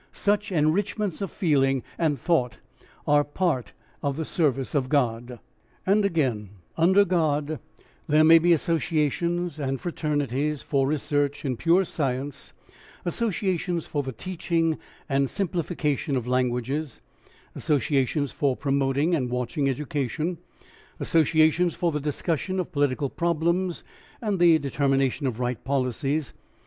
Such enrichments of feeling and thought are part of the service of God. And again, under God, there may be associations and fraternities for research in pure science; associations for the teaching and simplification of languages; associations for promoting and watching education; associations for the discussion of political problems and the determination of right policies.